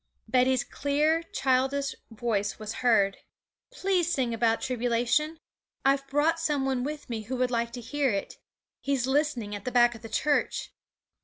Betty's clear, childish voice was heard, 'Please sing about tribulation. I've brought some one with me who would like to hear it. He's listening at the back of the church.'